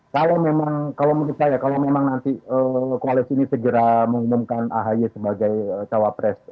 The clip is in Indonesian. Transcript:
kalau memang kalau menurut saya kalau memang nanti koalisi ini segera mengumumkan ahy sebagai cawapres